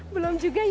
belum juga ya